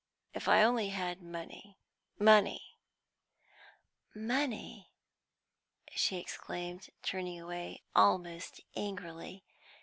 If I only had money money" "Money!" she exclaimed, turning away almost angrily.